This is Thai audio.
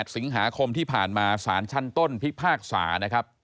สิงหาคมที่ผ่านมาสารชั้นต้นพิพากษานะครับ